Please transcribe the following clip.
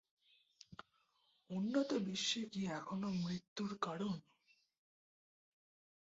উন্নত বিশ্বে কি এখনো মৃত্যুর কারণ?